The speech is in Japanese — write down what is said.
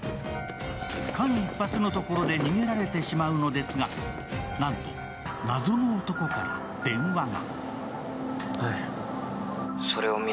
間一髪のところで逃げられてしまうのですが、なんと謎の男から電話が！